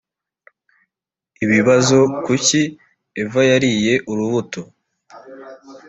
ibibazo kuki eva yariye urubuto